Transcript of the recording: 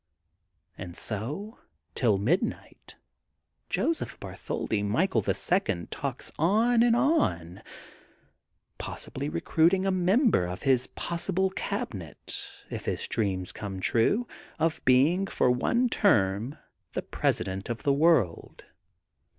'' And so, till midnight Joseph Bartholdi Michael, the Second, talks on and bn, possibly recruiting a member of his pos sible cabinet, if his dream comes true, of be ing for one term the President of the World.